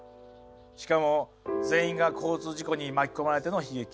しかも全員が交通事故に巻き込まれての悲劇。